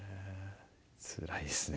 つらいですね